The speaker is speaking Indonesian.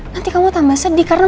nanti kamu tambah sedih karena